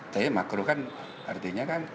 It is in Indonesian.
tapi makro kan artinya kan